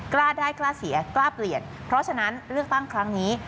กล้าได้กล้าเสียกล้าเปลี่ยนเพราะฉะนั้นเลือกตั้งครั้งนี้